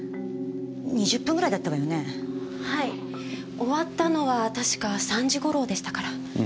終わったのは確か３時頃でしたから。